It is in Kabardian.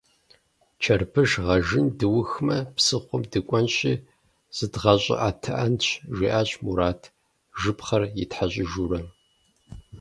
«Чэрбыш гъэжын дыухымэ, псыхъуэм дыкӏуэнщи зыдгъэщӏыӏэтыӏэнщ», жиӏащ Мурат, жыпхъэр итхьэщыжурэ.